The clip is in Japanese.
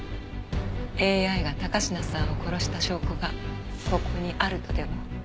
ＡＩが高階さんを殺した証拠がここにあるとでも？